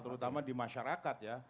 terutama di masyarakat ya